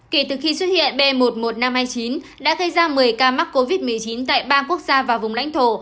kể từ khi xuất hiện b một mươi một nghìn năm trăm hai mươi chín đã gây ra một mươi ca mắc covid một mươi chín tại ba quốc gia và vùng lãnh thổ